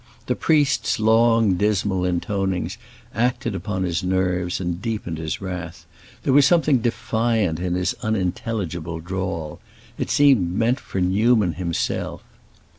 The priest's long, dismal intonings acted upon his nerves and deepened his wrath; there was something defiant in his unintelligible drawl; it seemed meant for Newman himself.